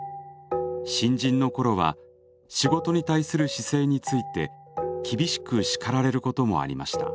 新人のころは仕事に対する姿勢について厳しく叱られることもありました。